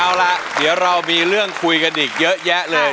เอาล่ะเดี๋ยวเรามีเรื่องคุยกันอีกเยอะแยะเลย